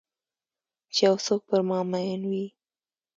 چې یو څوک پر مامین وي